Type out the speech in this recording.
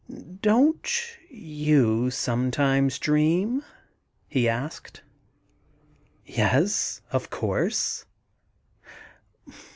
^ Don't you sometimes dream ?' he asked. * Yes, of course.'